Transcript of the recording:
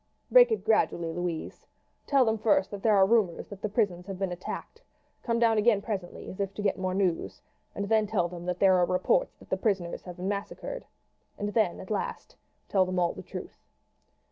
"Break it gradually, Louise. Tell them first that there are rumours that the prisons have been attacked. Come down again presently as if to get more news, and then tell them that there are reports that the prisoners have been massacred, and then at last tell them all the truth."